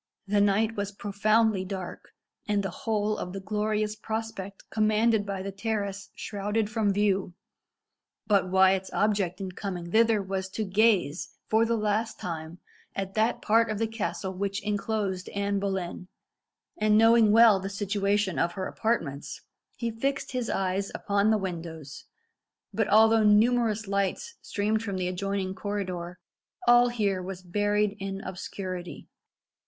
The night was profoundly dark, and the whole of the glorious prospect commanded by the terrace shrouded from view. But Wyat's object in coming thither was to gaze, for the last time, at that part of the castle which enclosed Anne Boleyn, and knowing well the situation of her apartments, he fixed his eyes upon the windows; but although numerous lights streamed from the adjoining corridor, all here was buried in obscurity.